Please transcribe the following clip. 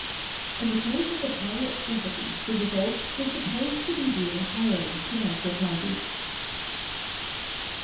In the case of the Powder of Sympathy the results were supposed to be due entirely to natural causes.